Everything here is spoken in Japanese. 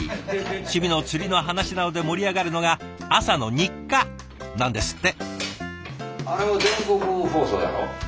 趣味の釣りの話などで盛り上がるのが朝の日課なんですって。